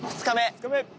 ２日目。